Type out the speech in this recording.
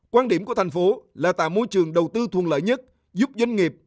quan điểm của thành phố là tạo môi trường đầu tư thuận lợi nhất giúp doanh nghiệp